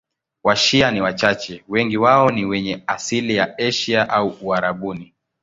Washia ni wachache, wengi wao ni wenye asili ya Asia au Uarabuni.